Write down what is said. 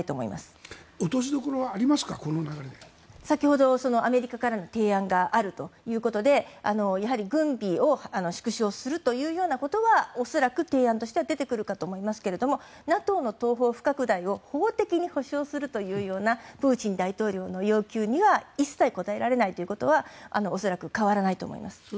先ほど、アメリカからの提案があるということでやはり軍備を縮小するということは恐らく提案として出てくるかと思いますがＮＡＴＯの東方不拡大を法的に保証するというようなプーチン大統領の要求には一切応えられないということは恐らく変わらないと思います。